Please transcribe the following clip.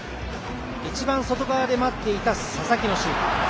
一番外側で待っていた佐々木のシュート。